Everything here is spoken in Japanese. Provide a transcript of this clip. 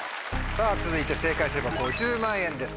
続いて正解すれば５０万円です